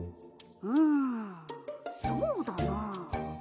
うんそうだな。